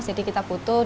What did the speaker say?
jadi kita butuh